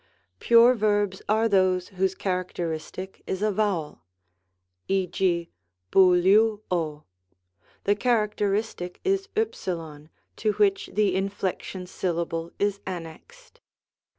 Pure verbs are those whose char acteristic is a vowel ; e. g., jSovXev co^ the characteristic is v^ to which the inflection syllable is annexed.